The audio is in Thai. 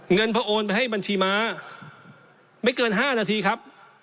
เงินพอโอนไปให้บัญชีม้าไม่เกิน๕นาทีครับ